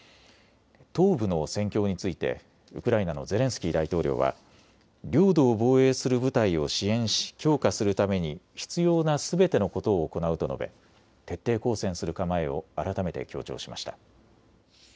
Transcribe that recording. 東部の戦況についてウクライナのゼレンスキー大統領は領土を防衛する部隊を支援し、強化するために必要なすべてのことを行うと述べ、徹底抗戦する構えを改めて強調しました。